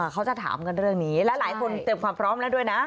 เขาจะถามกันเรื่องนี้และหลายคนเตรียมความพร้อมแล้วด้วยนะ